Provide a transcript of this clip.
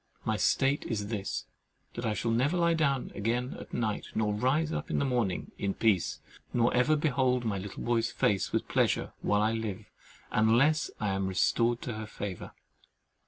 My state is this, that I shall never lie down again at night nor rise up in the morning in peace, nor ever behold my little boy's face with pleasure while I live—unless I am restored to her favour.